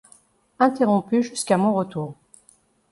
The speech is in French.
Interrompu jusqu’à mon retour.